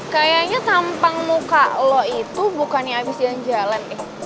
kayaknya tampang muka lo itu bukannya habis jalan jalan